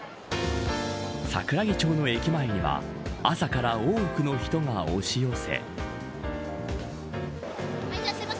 桜木町の駅前には朝から多くの人が押し寄せ。